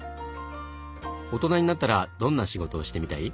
大人になったらどんな仕事をしてみたい？